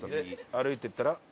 歩いて行ったら？